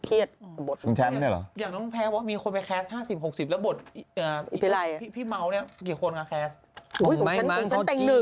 พี่แชมป์เหรอคะแชมป์เป็นคนตั้งใจทำงานมาก